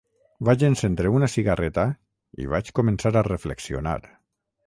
Vaig encendre una cigarreta i vaig començar a reflexionar.